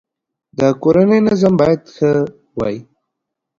د کورنی نظم باید ښه وی